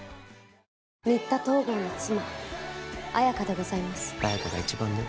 新田東郷の妻綾華でございます綾華が一番だよ